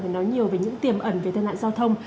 phải nói nhiều về những tiềm ẩn về thân hạn giao thông